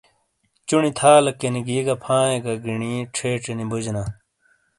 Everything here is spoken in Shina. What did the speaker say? چُونی تھالیکینی گھی گہ فائیے گہ گینی چھیچے نی بوجینا۔